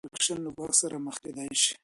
سر د انفیکشن له ګواښ سره مخ کیدای شي.